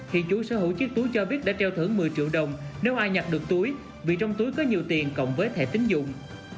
hiện chủ sở hữu chiếc túi cho biết đã treo thưởng một mươi triệu đồng nếu ai nhặt được túi vì trong túi có nhiều tiền cộng với thẻ tính dụng